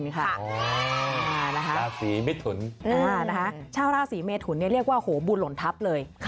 อ๋อชาวราศรีเมธุรชาวราศรีเมธุรเนี่ยเรียกว่าโหบุญหล่นทัพเลย